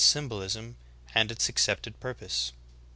symbolism and its accepted purpose.